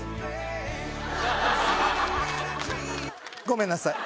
ごめんなさい